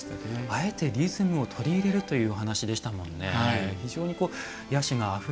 あえてリズムを取り入れるというお話でしたもんね。